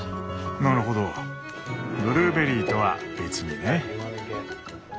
なるほどブルーベリーとは別にね。